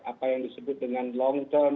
apa yang disebut dengan long term